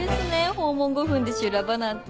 訪問５分で修羅場なんて。